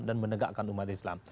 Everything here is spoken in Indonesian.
dan menegakkan umat islam